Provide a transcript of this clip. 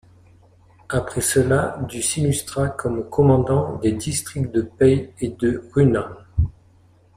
Après cela, Du s'illustra comme commandant des districts de Pei et de Runan.